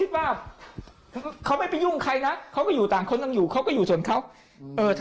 บ้านในประเสริฐ